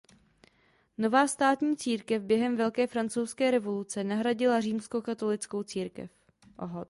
Nová státní církev během Velké francouzské revoluce nahradila římskokatolickou církev.